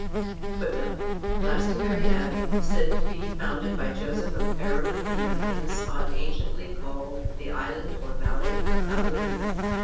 [Footnote: Glastonbury Abbey, said to be founded by Joseph of Arimathea, in a spot anciently called the island or valley of Avalonia.